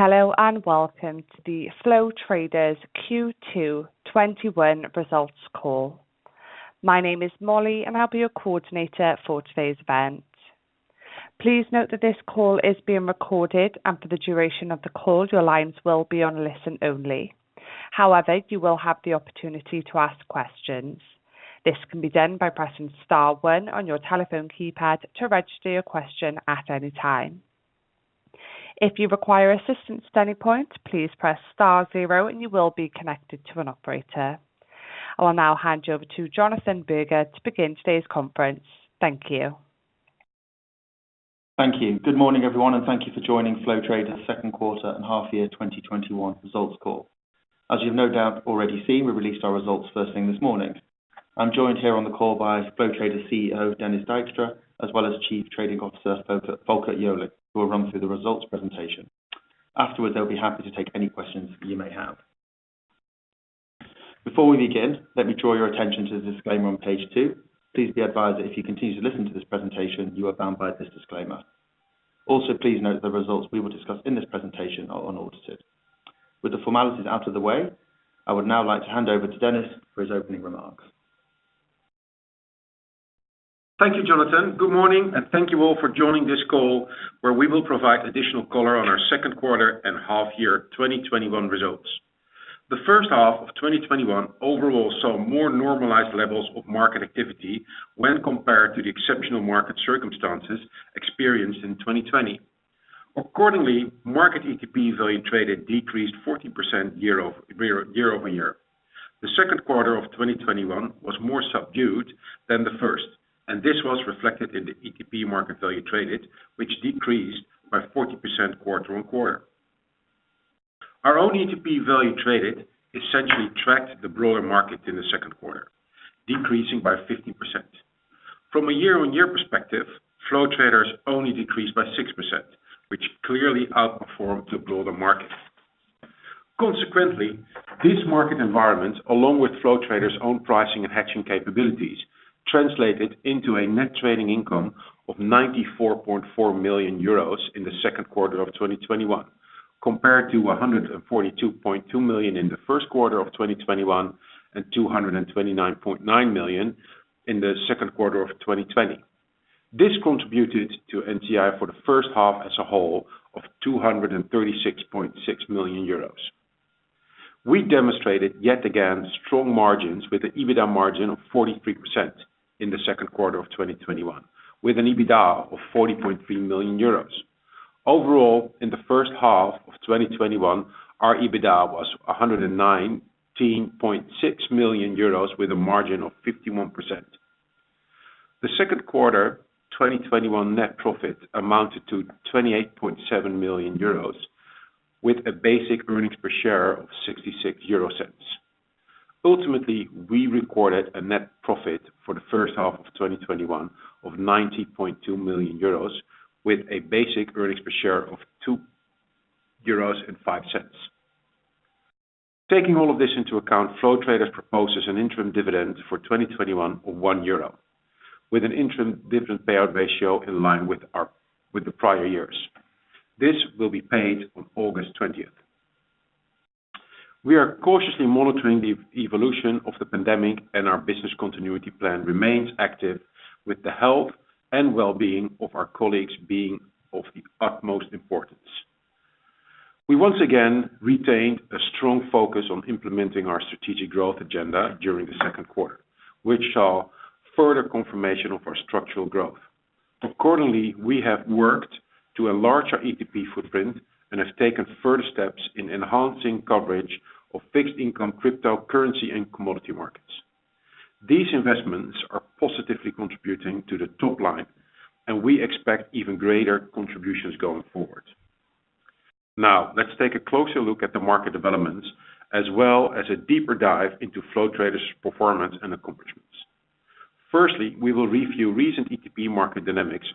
Hello, and welcome to the Flow Traders Q2 2021 results call. My name is Molly, and I'll be your coordinator for today's event. Please note that this call is being recorded, and for the duration of the call, your lines will be on listen only. However, you will have the opportunity to ask questions. This can be done by pressing star one on your telephone keypad to register your question at any time. If you require assistance at any point, please press star zero and you will be connected to an operator. I will now hand you over to Jonathan Berger to begin today's conference. Thank you. Thank you. Good morning, everyone, thank you for joining Flow Traders' second quarter and half year 2021 results call. As you've no doubt already seen, we released our results first thing this morning. I'm joined here on the call by Flow Traders CEO, Dennis Dijkstra, as well as Chief Trading Officer, Folkert Joling, who will run through the results presentation. Afterwards, they'll be happy to take any questions you may have. Before we begin, let me draw your attention to the disclaimer on page two. Please be advised that if you continue to listen to this presentation, you are bound by this disclaimer. Please note the results we will discuss in this presentation are unaudited. With the formalities out of the way, I would now like to hand over to Dennis for his opening remarks. Thank you, Jonathan. Good morning, and thank you all for joining this call where we will provide additional color on our second quarter and half year 2021 results. The first half of 2021 overall saw more normalized levels of market activity when compared to the exceptional market circumstances experienced in 2020. Accordingly, market ETP value traded decreased 14% year-over-year. The second quarter of 2021 was more subdued than the first, and this was reflected in the ETP market value traded, which decreased by 40% quarter-on-quarter. Our own ETP value traded essentially tracked the broader market in the second quarter, decreasing by 15%. From a year-on-year perspective, Flow Traders only decreased by 6%, which clearly outperformed the broader market. Consequently, this market environment, along with Flow Traders' own pricing and hedging capabilities, translated into a net trading income of 94.4 million euros in the second quarter of 2021, compared to 142.2 million in the first quarter of 2021, and 229.9 million in the second quarter of 2020. This contributed to NTI for the first half as a whole of 236.6 million euros. We demonstrated, yet again, strong margins with the EBITDA margin of 43% in the second quarter of 2021, with an EBITDA of 40.3 million euros. Overall, in the first half of 2021, our EBITDA was 119.6 million euros with a margin of 51%. The second quarter 2021 net profit amounted to 28.7 million euros with a basic earnings per share of 0.66. Ultimately, we recorded a net profit for the first half of 2021 of 90.2 million euros with a basic earnings per share of 2.05 euros. Taking all of this into account, Flow Traders proposes an interim dividend for 2021 of 1 euro with an interim dividend payout ratio in line with the prior years. This will be paid on August 20th. We are cautiously monitoring the evolution of the pandemic, and our business continuity plan remains active, with the health and wellbeing of our colleagues being of the utmost importance. We once again retained a strong focus on implementing our strategic growth agenda during the second quarter, which saw further confirmation of our structural growth. Accordingly, we have worked to a larger ETP footprint and have taken further steps in enhancing coverage of fixed income cryptocurrency and commodity markets. These investments are positively contributing to the top line, and we expect even greater contributions going forward. Let's take a closer look at the market developments, as well as a deeper dive into Flow Traders' performance and accomplishments. We will review recent ETP market dynamics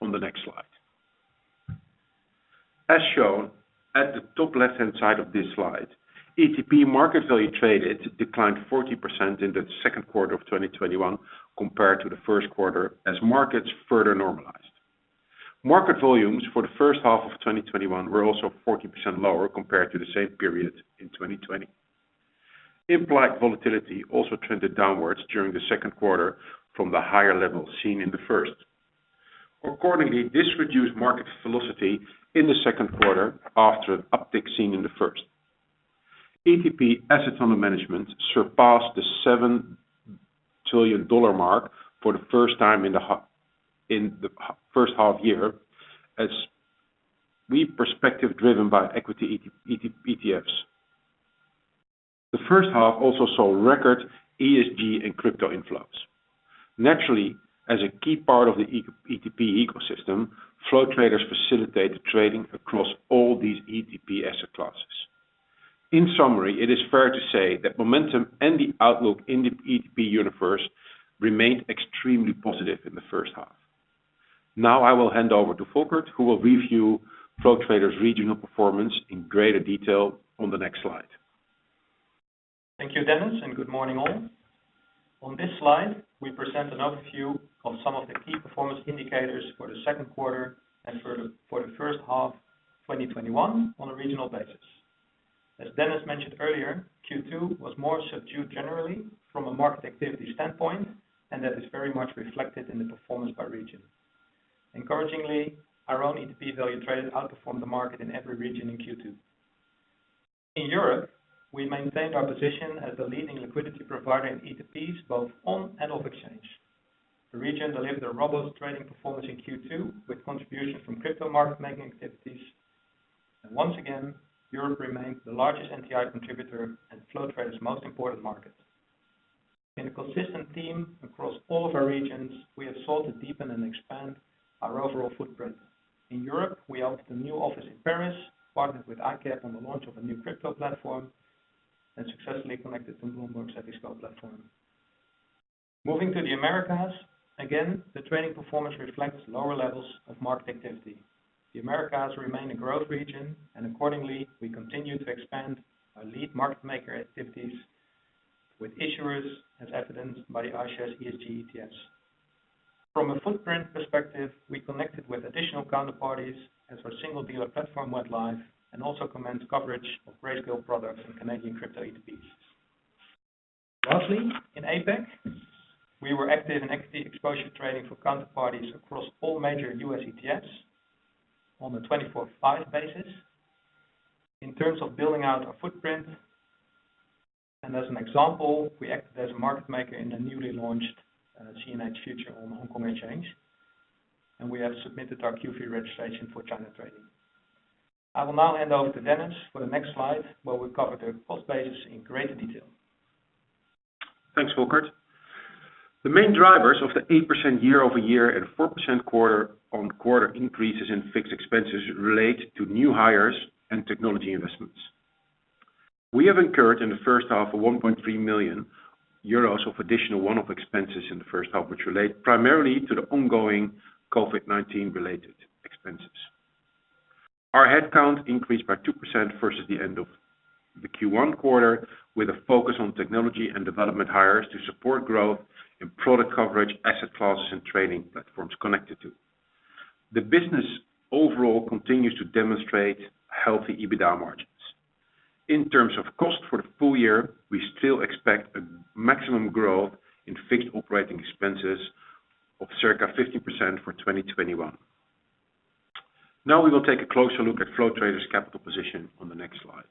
on the next slide. As shown at the top left-hand side of this slide, ETP market value traded declined 40% in the second quarter of 2021 compared to the first quarter, as markets further normalized. Market volumes for the first half of 2021 were also 14% lower compared to the same period in 2020. Implied volatility also trended downwards during the second quarter from the higher levels seen in the first. This reduced market velocity in the second quarter after an uptick seen in the first. ETP assets under management surpassed the $7 trillion mark for the first time in the first half year, as we perspective driven by equity ETFs. The first half also saw record ESG and crypto inflows. Naturally, as a key part of the ETP ecosystem, Flow Traders facilitate the trading across all these ETP asset classes. In summary, it is fair to say that momentum and the outlook in the ETP universe remained extremely positive in the first half. Now, I will hand over to Folkert, who will review Flow Traders' regional performance in greater detail on the next slide. Thank you, Dennis. Good morning, all. On this slide, we present an overview of some of the key performance indicators for the second quarter and for the first half 2021 on a regional basis. As Dennis mentioned earlier, Q2 was more subdued generally from a market activity standpoint. That is very much reflected in the performance by region. Encouragingly, our own ETP value traded outperformed the market in every region in Q2. In Europe, we maintained our position as the leading liquidity provider in ETPs, both on and off exchange. The region delivered a robust trading performance in Q2, with contributions from crypto market-making activities. Once again, Europe remains the largest NTI contributor and Flow Traders' most important market. In a consistent theme across all of our regions, we have sought to deepen and expand our overall footprint. In Europe, we opened a new office in Paris, partnered with TP ICAP on the launch of a new crypto platform, and successfully connected to Bloomberg's [digital] platform. Moving to the Americas, again, the trading performance reflects lower levels of market activity. The Americas remain a growth region, and accordingly, we continue to expand our lead market maker activities with issuers as evidenced by the iShares ESG ETFs. From a footprint perspective, we connected with additional counterparties as our single dealer platform went live and also commenced coverage of retail products and Canadian crypto ETPs. Lastly, in APAC, we were active in equity exposure trading for counterparties across all major U.S. ETFs on a 24/5 basis. In terms of building out our footprint, and as an example, we acted as a market maker in the newly launched CNH future on the Hong Kong Exchange, and we have submitted our QFII registration for China trading. I will now hand over to Dennis for the next slide, where we'll cover the cost basis in greater detail. Thanks, Folkert. The main drivers of the 8% year-over-year and 4% quarter-on-quarter increases in fixed expenses relate to new hires and technology investments. We have incurred in the first half of 1.3 million euros of additional one-off expenses in the first half, which relate primarily to the ongoing COVID-19 related expenses. Our headcount increased by 2% versus the end of the Q1 quarter, with a focus on technology and development hires to support growth in product coverage, asset classes, and trading platforms connected to. The business overall continues to demonstrate healthy EBITDA margins. In terms of cost for the full year, we still expect a maximum growth in fixed operating expenses of circa 15% for 2021. We will take a closer look at Flow Traders' capital position on the next slide.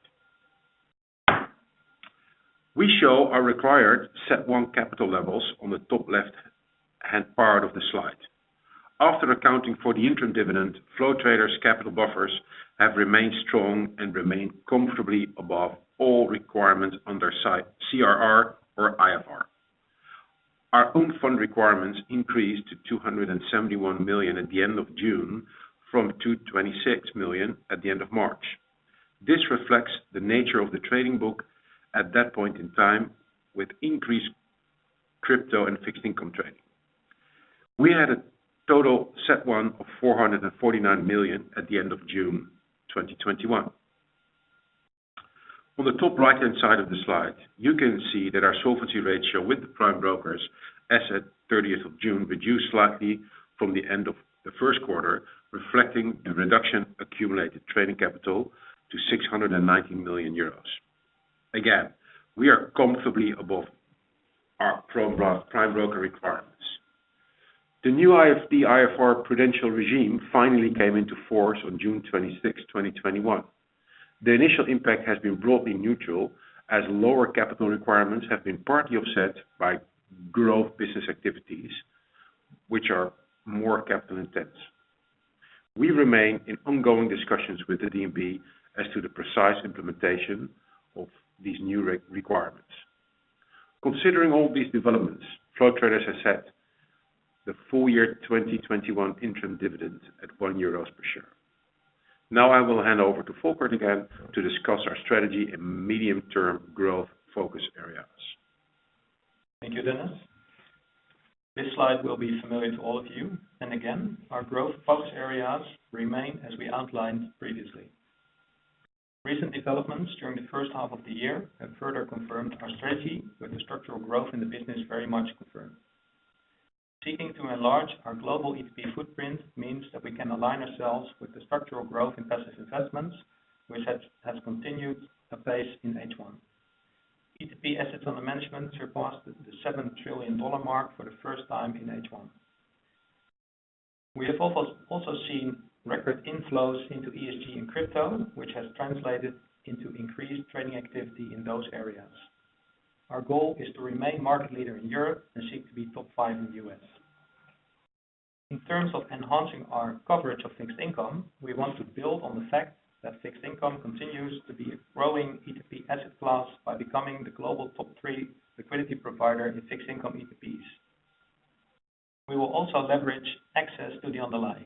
We show our required CET1 capital levels on the top left-hand part of the slide. After accounting for the interim dividend, Flow Traders' capital buffers have remained strong and remain comfortably above all requirements under CRR or IFR. Our own fund requirements increased to 271 million at the end of June from 226 million at the end of March. This reflects the nature of the trading book at that point in time, with increased crypto and fixed income trading. We had a total CET1 of 449 million at the end of June 2021. On the top right-hand side of the slide, you can see that our solvency ratio with the prime brokers as at 30 of June reduced slightly from the end of the first quarter, reflecting a reduction accumulated trading capital to 619 million euros. Again, we are comfortably above our prime broker requirements. The new IFD IFR prudential regime finally came into force on June 26, 2021. The initial impact has been broadly neutral, as lower capital requirements have been partly offset by growth business activities, which are more capital intense. We remain in ongoing discussions with the DNB as to the precise implementation of these new requirements. Considering all these developments, Flow Traders has set the full year 2021 interim dividend at €1 per share. Now I will hand over to Folkert again to discuss our strategy and medium-term growth focus areas. Thank you, Dennis. This slide will be familiar to all of you, again, our growth focus areas remain as we outlined previously. Recent developments during the first half of the year have further confirmed our strategy, with the structural growth in the business very much confirmed. Seeking to enlarge our global ETP footprint means that we can align ourselves with the structural growth in passive investments, which has continued apace in H1. ETP assets under management surpassed the $7 trillion mark for the first time in H1. We have also seen record inflows into ESG and crypto, which has translated into increased trading activity in those areas. Our goal is to remain market leader in Europe and seek to be top five in the U.S. In terms of enhancing our coverage of fixed income, we want to build on the fact that fixed income continues to be a growing ETP asset class by becoming the global top three liquidity provider in fixed income ETPs. We will also leverage access to the underlying.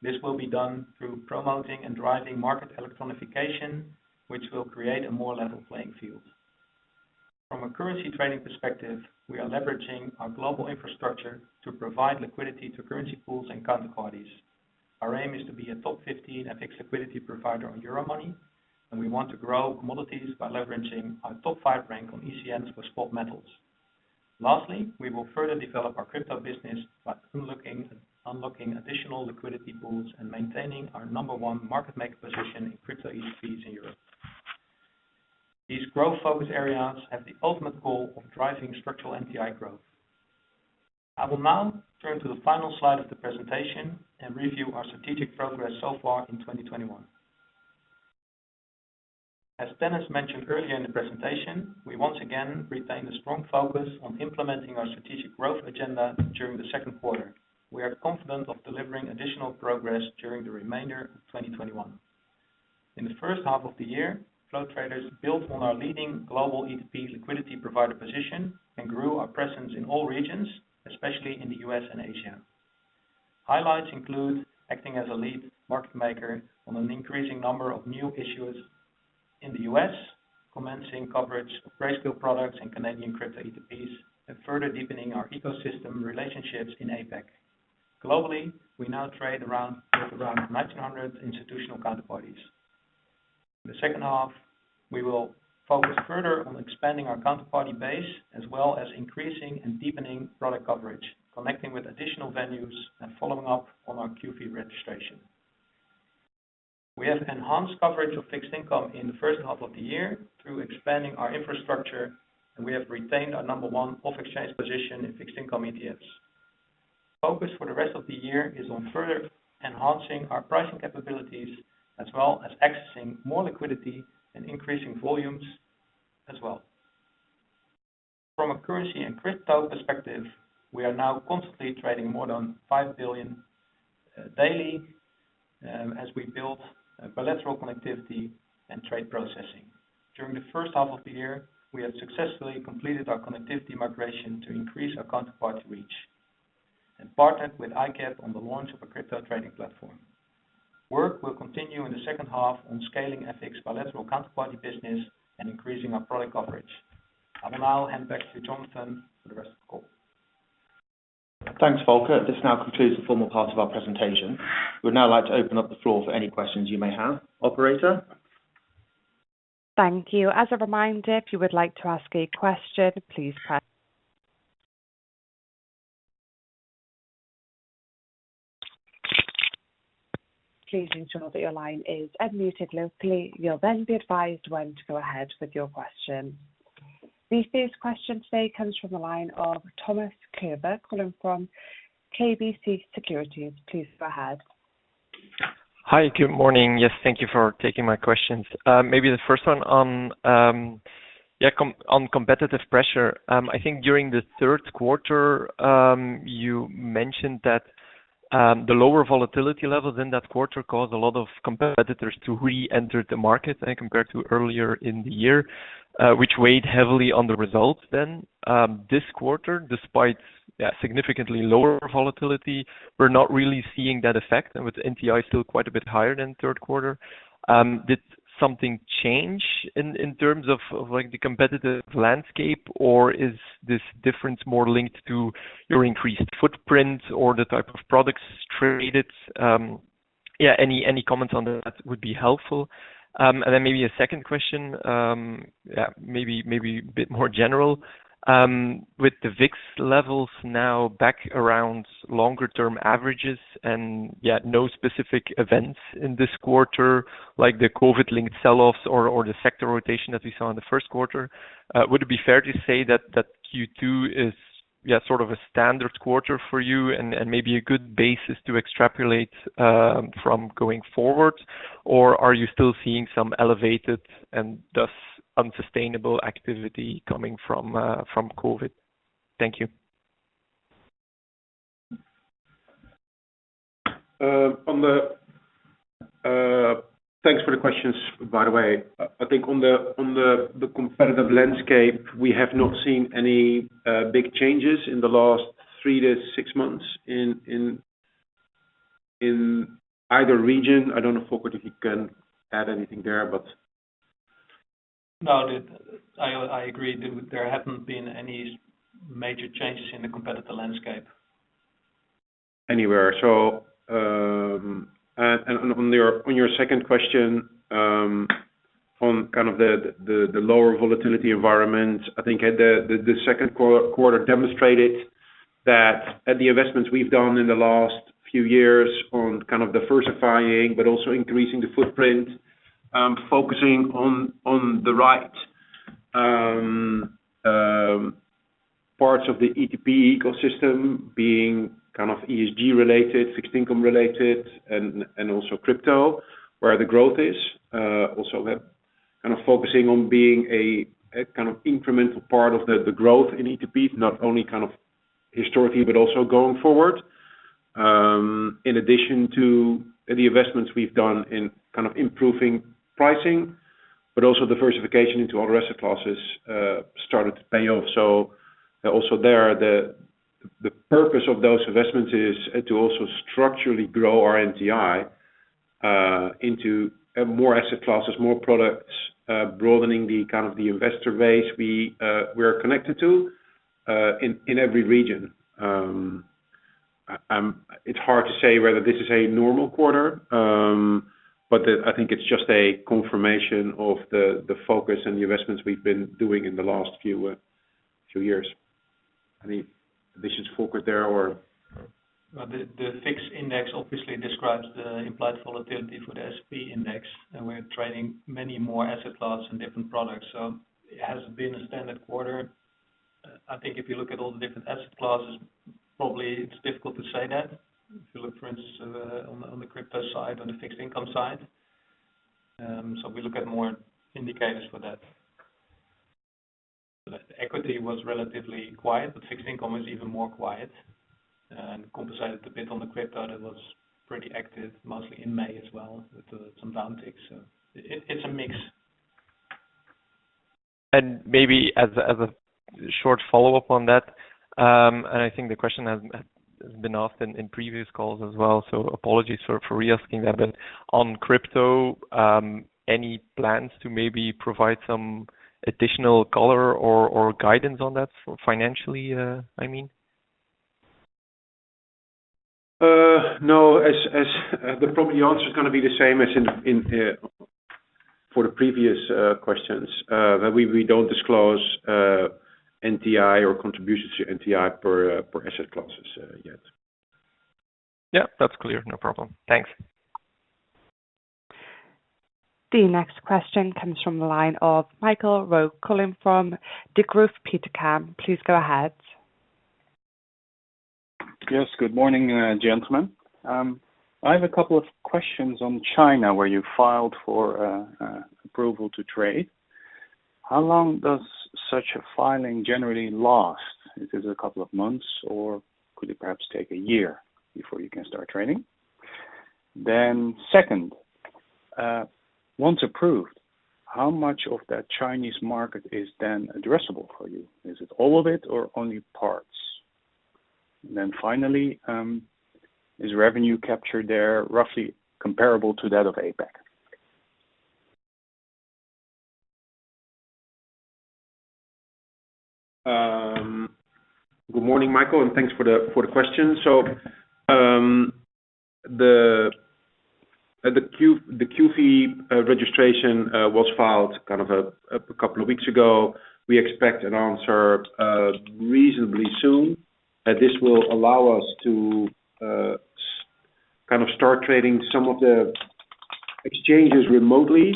This will be done through promoting and driving market electronification, which will create a more level playing field. From a currency trading perspective, we are leveraging our global infrastructure to provide liquidity to currency pools and counterparties. Our aim is to be a top 15 FX liquidity provider on Euromoney, and we want to grow commodities by leveraging our top five rank on ECNs for spot metals. Lastly, we will further develop our crypto business by unlocking additional liquidity pools and maintaining our number one market maker position in crypto ETPs in Europe. These growth focus areas have the ultimate goal of driving structural NTI growth. I will now turn to the final slide of the presentation and review our strategic progress so far in 2021. As Dennis mentioned earlier in the presentation, we once again retain a strong focus on implementing our strategic growth agenda during the second quarter. We are confident of delivering additional progress during the remainder of 2021. In the first half of the year, Flow Traders built on our leading global ETP liquidity provider position and grew our presence in all regions, especially in the U.S. and Asia. Highlights include acting as a lead market maker on an increasing number of new issuers in the U.S., commencing coverage of retail products and Canadian crypto ETPs, and further deepening our ecosystem relationships in APAC. Globally, we now trade with around 1,900 institutional counterparties. In the second half, we will focus further on expanding our counterparty base as well as increasing and deepening product coverage, connecting with additional venues and following up on our QFII registration. We have enhanced coverage of fixed income in the first half of the year through expanding our infrastructure, and we have retained our number one off-exchange position in fixed income ETFs. Focus for the rest of the year is on further enhancing our pricing capabilities, as well as accessing more liquidity and increasing volumes as well. From a currency and crypto perspective, we are now constantly trading more than 5 billion daily as we build bilateral connectivity and trade processing. During the first half of the year, we have successfully completed our connectivity migration to increase our counterparty reach and partnered with ICAP on the launch of a crypto trading platform. Work will continue in the second half on scaling FX bilateral counterparty business and increasing our product coverage. I will now hand back to Jonathan for the rest of the call. Thanks, Folkert Joling. This now concludes the formal part of our presentation. We'd now like to open up the floor for any questions you may have. Operator. Thank you. As a reminder, if you would like to ask a question, please press. Please ensure that your line is unmuted locally. You'll then be advised when to go ahead with your question. The first question today comes from the line of Thomas Couvreur, calling from KBC Securities. Please go ahead. Hi. Good morning. Yes, thank you for taking my questions. Maybe the first one on competitive pressure. I think during the third quarter, you mentioned that the lower volatility levels in that quarter caused a lot of competitors to reenter the market compared to earlier in the year, which weighed heavily on the results then. This quarter, despite significantly lower volatility, we're not really seeing that effect, and with NTI still quite a bit higher than third quarter. Did something change in terms of the competitive landscape, or is this difference more linked to your increased footprint or the type of products traded? Any comments on that would be helpful. Maybe a second question, maybe a bit more general. With the VIX levels now back around longer-term averages and no specific events in this quarter, like the COVID-linked sell-offs or the sector rotation that we saw in the first quarter, would it be fair to say that Q2 is a standard quarter for you and maybe a good basis to extrapolate from going forward? Or are you still seeing some elevated and thus unsustainable activity coming from COVID? Thank you. Thanks for the questions, by the way. I think on the competitive landscape, we have not seen any big changes in the last three to six months in either region. I don't know, Folkert Joling, if you can add anything there. No, I agree. There haven't been any major changes in the competitive landscape. Anywhere. On your second question, on the lower volatility environment, I think the second quarter demonstrated that the investments we've done in the last few years on diversifying but also increasing the footprint, focusing on the right parts of the ETP ecosystem being ESG-related, fixed income-related, and also crypto, where the growth is, also we're focusing on being a incremental part of the growth in ETP, not only historically but also going forward. In addition to the investments we've done in improving pricing, but also diversification into other asset classes started to pay off. Also there, the purpose of those investments is to also structurally grow our NTI into more asset classes, more products, broadening the investor base we are connected to in every region. It's hard to say whether this is a normal quarter, but I think it's just a confirmation of the focus and the investments we've been doing in the last few years. The VIX index obviously describes the implied volatility for the S&P index, we're trading many more asset class and different products. It has been a standard quarter. I think if you look at all the different asset classes, probably it's difficult to say that if you look, for instance, on the crypto side, on the fixed income side. We look at more indicators for that. Equity was relatively quiet, fixed income was even more quiet. Compensated a bit on the crypto that was pretty active mostly in May as well with some downticks. It's a mix. Maybe as a short follow-up on that, and I think the question has been asked in previous calls as well, so apologies for re-asking that. On crypto, any plans to maybe provide some additional color or guidance on that financially, I mean? No. Probably the answer's going to be the same as for the previous questions, that we don't disclose NTI or contributions to NTI per asset classes yet. Yeah, that's clear. No problem. Thanks. The next question comes from the line of Michael Roeg calling from Degroof Petercam. Please go ahead. Yes. Good morning, gentlemen. I have a couple of questions on China, where you filed for approval to trade. How long does such a filing generally last? Is it a couple of months, or could it perhaps take a year before you can start trading? Second, once approved, how much of that Chinese market is then addressable for you? Is it all of it or only parts? Finally, is revenue captured there roughly comparable to that of APAC? Good morning, Michael, thanks for the question. The QFII registration was filed a couple of weeks ago. We expect an answer reasonably soon. This will allow us to start trading some of the exchanges remotely.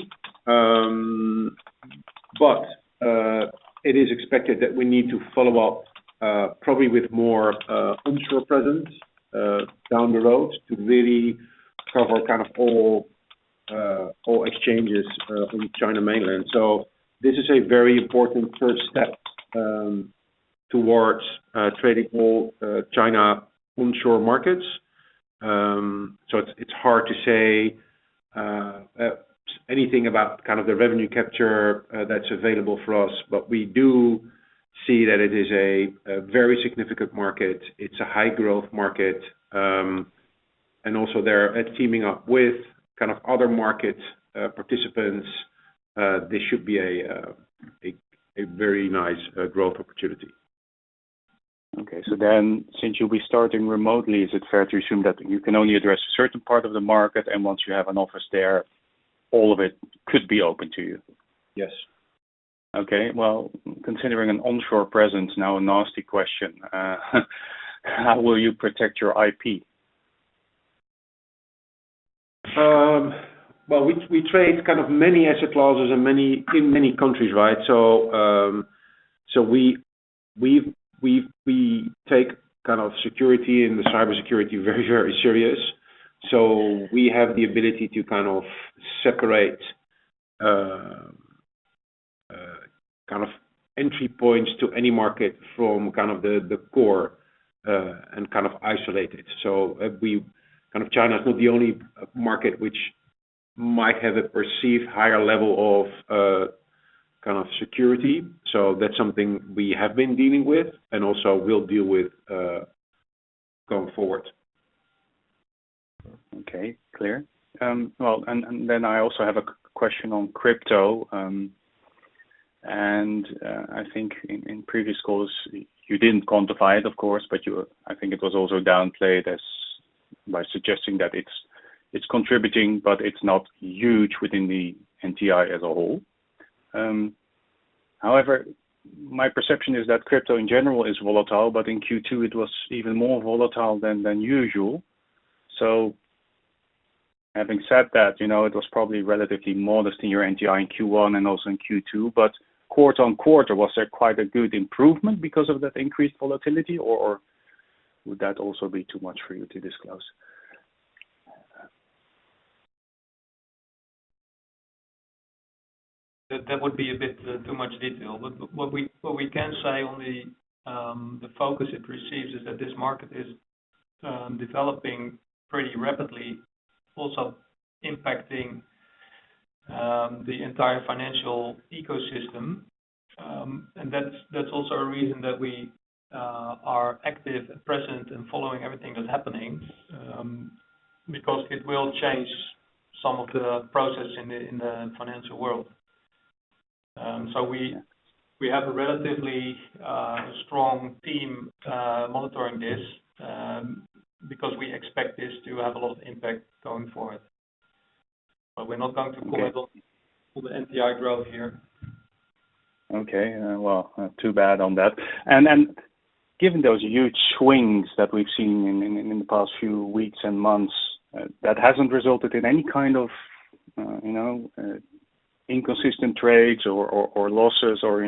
It is expected that we need to follow up probably with more onshore presence down the road to really cover all exchanges from China Mainland. This is a very important first step towards trading more China onshore markets. It's hard to say anything about the revenue capture that's available for us, but we do see that it is a very significant market. It's a high-growth market, and also there, it's teaming up with other market participants. This should be a very nice growth opportunity. Okay. Since you'll be starting remotely, is it fair to assume that you can only address a certain part of the market, and once you have an office there, all of it could be open to you? Yes. Okay. Well, considering an onshore presence, now a nasty question. How will you protect your IP? We trade many asset classes in many countries, right? We take security and the cybersecurity very, very serious. We have the ability to separate entry points to any market from the core, and isolate it. China's not the only market which might have a perceived higher level of security. That's something we have been dealing with and also will deal with going forward. Okay, clear. I also have a question on crypto. I think in previous calls, you didn't quantify it, of course, but I think it was also downplayed by suggesting that it's contributing, but it's not huge within the NTI as a whole. However, my perception is that crypto in general is volatile, but in Q2, it was even more volatile than usual. Having said that, it was probably relatively modest in your NTI in Q1 and also in Q2, but quarter on quarter, was there quite a good improvement because of that increased volatility, or would that also be too much for you to disclose? That would be a bit too much detail. What we can say on the focus it receives is that this market is developing pretty rapidly, also impacting the entire financial ecosystem. That's also a reason that we are active, present, and following everything that's happening, because it will change some of the process in the financial world. We have a relatively strong team monitoring this, because we expect this to have a lot of impact going forward. Okay. all the NTI growth here. Okay. Well, too bad on that. Given those huge swings that we've seen in the past few weeks and months, that hasn't resulted in any kind of inconsistent trades or losses or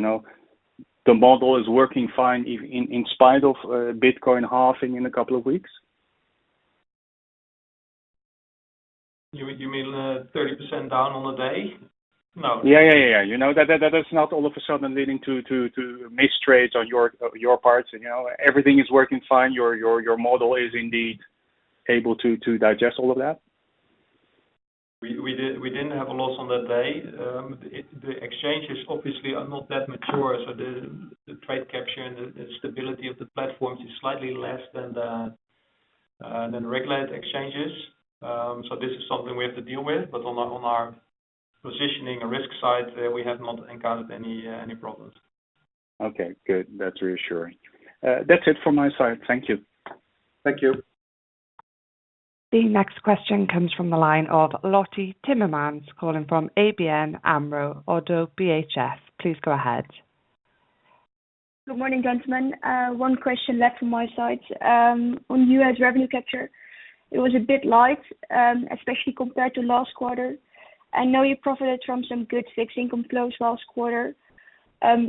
the model is working fine in spite of Bitcoin halving in a couple of weeks? You mean the 30% down on the day? No. Yeah. That is not all of a sudden leading to missed trades on your parts, everything is working fine, your model is indeed able to digest all of that? We didn't have a loss on that day. The exchanges obviously are not that mature, so the trade capture and the stability of the platforms is slightly less than the regulated exchanges. This is something we have to deal with, but on our positioning and risk side, we have not encountered any problems. Okay, good. That's reassuring. That's it from my side. Thank you. Thank you. The next question comes from the line of Lotte Timmermans, calling from ABN AMRO-ODDO BHF. Please go ahead. Good morning, gentlemen. One question left from my side. On U.S. revenue capture, it was a bit light, especially compared to last quarter. I know you profited from some good fixed income flows last quarter,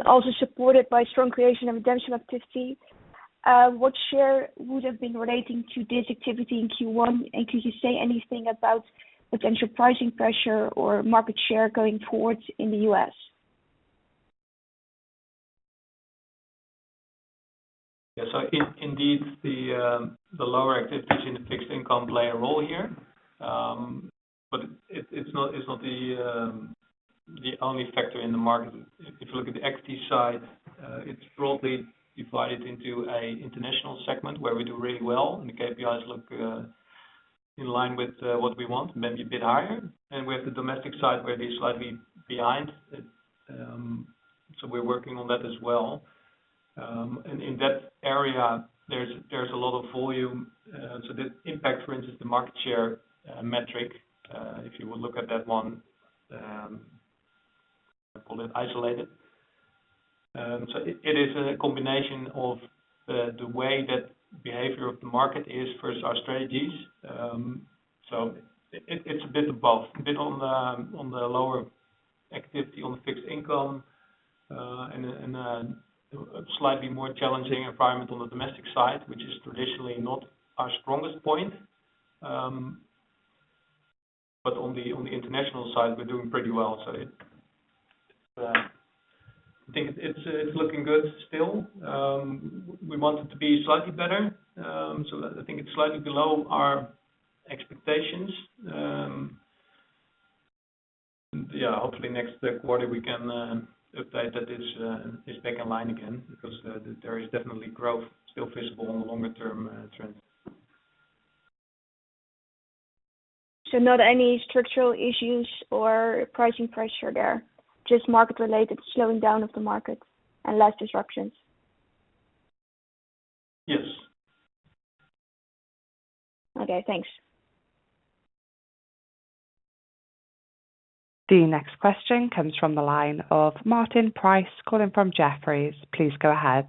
also supported by strong creation and redemption activity. What share would've been relating to this activity in Q1? Could you say anything about potential pricing pressure or market share going forwards in the U.S.? Indeed, the lower activity in the fixed income play a role here. It's not the only factor in the market. If you look at the equity side, it's broadly divided into an international segment where we do really well, and the KPIs look in line with what we want, maybe a bit higher. We have the domestic side where they're slightly behind. We're working on that as well. In that area, there's a lot of volume. The impact, for instance, the market share metric, if you would look at that one, call it isolated. It is a combination of the way that behavior of the market is versus our strategies. It's a bit of both. A bit on the lower activity on the fixed income, a slightly more challenging environment on the domestic side, which is traditionally not our strongest point. On the international side, we're doing pretty well. I think it's looking good still. We want it to be slightly better. I think it's slightly below our expectations. Hopefully next quarter we can update that it's back in line again, because there is definitely growth still visible on the longer-term trends. Not any structural issues or pricing pressure there, just market-related slowing down of the market and less disruptions. Yes. Okay, thanks. The next question comes from the line of Martin Price, calling from Jefferies. Please go ahead.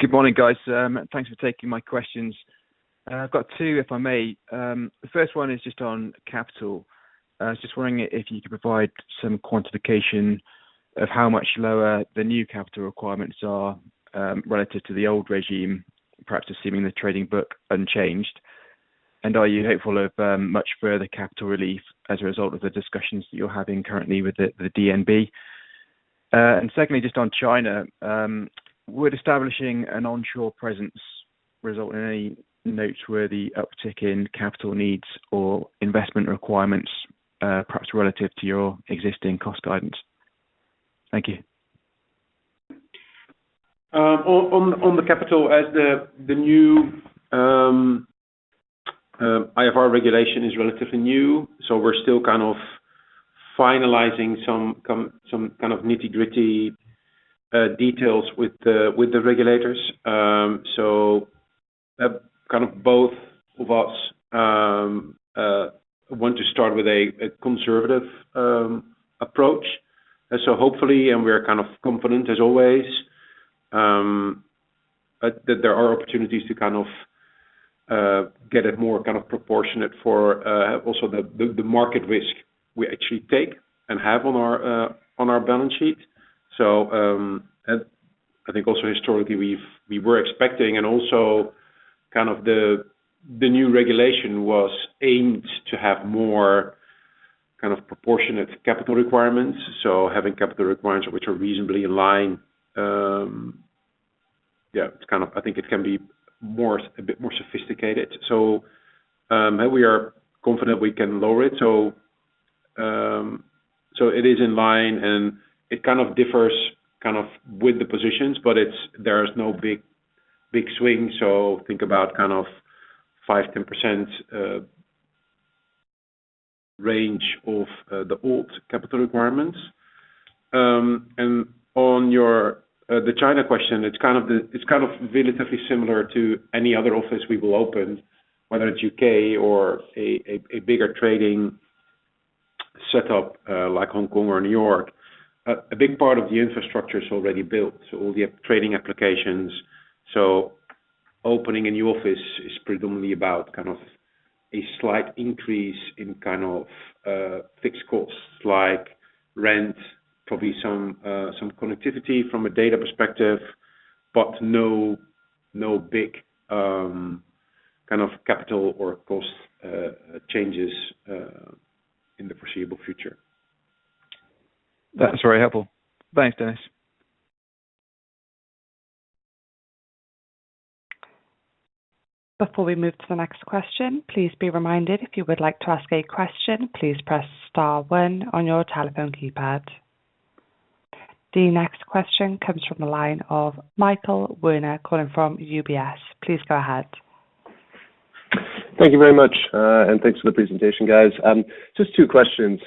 Good morning, guys. Thanks for taking my questions. I've got two, if I may. The first one is just on capital. I was just wondering if you could provide some quantification of how much lower the new capital requirements are relative to the old regime, perhaps assuming the trading book unchanged. Are you hopeful of much further capital relief as a result of the discussions that you're having currently with the DNB? Secondly, just on China, would establishing an onshore presence result in any noteworthy uptick in capital needs or investment requirements, perhaps relative to your existing cost guidance? Thank you. On the capital, as the new IFR Regulation is relatively new, we're still finalizing some kind of nitty-gritty details with the regulators. Both of us want to start with a conservative approach. Hopefully, and we're confident as always, that there are opportunities to get it more proportionate for also the market risk we actually take and have on our balance sheet. I think also historically, we were expecting and also the new regulation was aimed to have more proportionate capital requirements. Having capital requirements which are reasonably in line- Yeah, I think it can be a bit more sophisticated. We are confident we can lower it. It is in line and it kind of differs with the positions, but there is no big swing, think about 5%-10% range of the old capital requirements. On the China question, it's kind of relatively similar to any other office we will open, whether it's U.K. or a bigger trading setup like Hong Kong or New York. A big part of the infrastructure is already built, so all the trading applications. Opening a new office is predominantly about a slight increase in fixed costs, like rent, probably some connectivity from a data perspective, but no big capital or cost changes in the foreseeable future. That's very helpful. Thanks, Dennis. Before we move to the next question, please be reminded if you would like to ask a question, please press star 1 on your telephone keypad. The next question comes from the line of Michael Werner calling from UBS. Please go ahead. Thank you very much. Thanks for the presentation, guys. Just two questions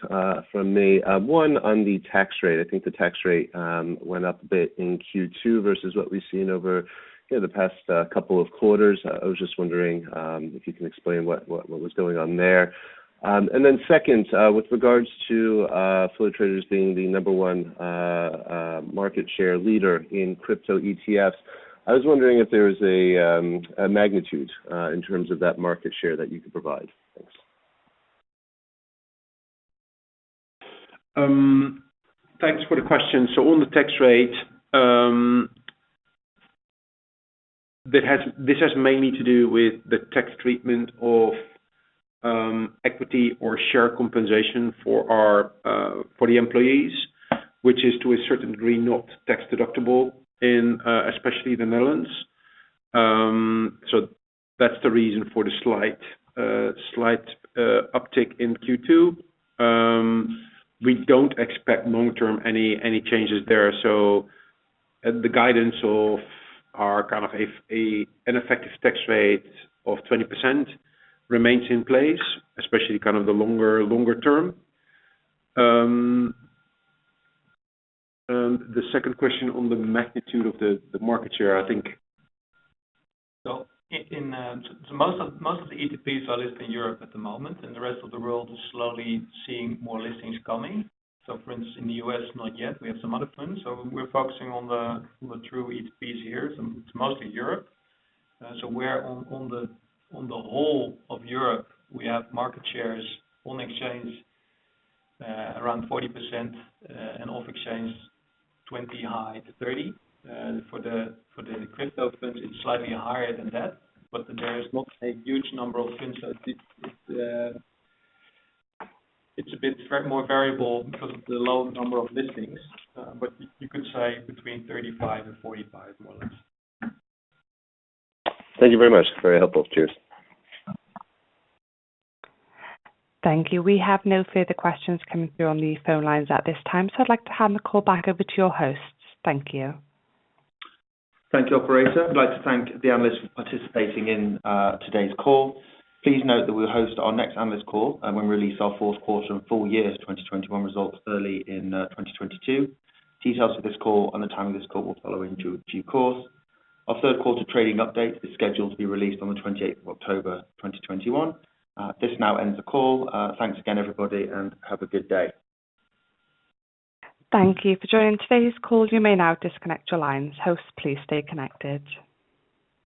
from me. one on the tax rate. I think the tax rate went up a bit in Q2 versus what we've seen over the past couple of quarters. I was just wondering if you can explain what was going on there. Then second, with regards to Flow Traders being the number one market share leader in crypto ETFs, I was wondering if there was a magnitude in terms of that market share that you could provide. Thanks. Thanks for the question. On the tax rate, this has mainly to do with the tax treatment of equity or share compensation for the employees, which is to a certain degree, not tax deductible in especially the Netherlands. That's the reason for the slight uptick in Q2. We don't expect long-term any changes there. The guidance of our kind of an effective tax rate of 20% remains in place, especially the longer term. The second question on the magnitude of the market share, I think- Most of the ETPs are listed in Europe at the moment, and the rest of the world is slowly seeing more listings coming. For instance, in the U.S. not yet, we have some other funds. We're focusing on the true ETPs here, it's mostly Europe. On the whole of Europe, we have market shares on exchange around 40% and off exchange 20%-30%. For the crypto funds, it's slightly higher than that, but there is not a huge number of funds, so it's a bit more variable because of the low number of listings. You could say between 35%-45% more or less. Thank you very much. Very helpful. Cheers. Thank you. We have no further questions coming through on the phone lines at this time. I'd like to hand the call back over to your hosts. Thank you. Thank you, operator. I'd like to thank the analysts for participating in today's call. Please note that we'll host our next analyst call when we release our fourth quarter and full year's 2021 results early in 2022. Details of this call and the time of this call will follow in due course. Our third quarter trading update is scheduled to be released on the 28th of October 2021. This now ends the call. Thanks again, everybody, and have a good day. Thank you for joining today's call. You may now disconnect your lines. Hosts, please stay connected.